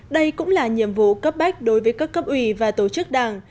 đây cũng là nhiệm vụ cấp bách đối với các cấp ủy và tổ chức đảng